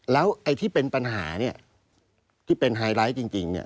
แล้วที่เป็นปัญหาที่เป็นไฮไลท์จริง